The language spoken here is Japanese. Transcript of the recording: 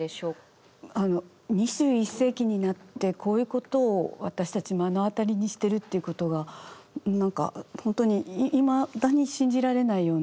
２１世紀になってこういうことを私たち目の当たりにしてるっていうことが何か本当にいまだに信じられないような気がしますね。